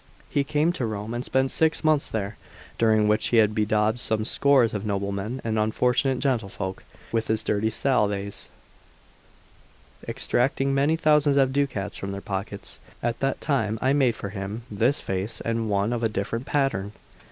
He came to Rome and spent six months there, during which he bedaubed some scores of nobleman and unfortunate gentlefolk with his dirty salves, extracting many thousands of ducats from their pockets. At that time I made for him this vase and one of a different pattern.